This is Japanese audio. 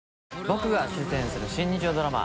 僕が出演する新日曜ドラマ。